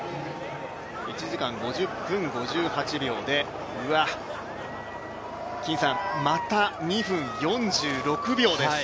１時間５０分５８秒でまた２分４６秒です。